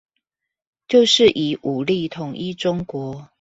就是以武力統一中國